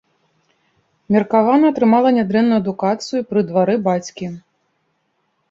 Меркавана атрымала нядрэнную адукацыю пры двары бацькі.